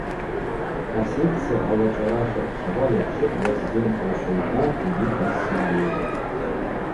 Асекция алачӏвара шакӏвшауа йапшытӏ Уазден Таусолтӏан йгьи Пӏаз Сергей.